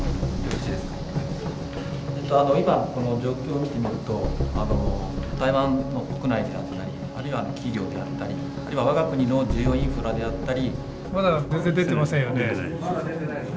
「今この状況を見てみると台湾の国内であったりあるいは企業であったりあるいは我が国の重要インフラであったり」。